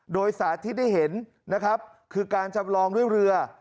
โดยสาธิตได้เห็นคือการชำลองด้วยเรือ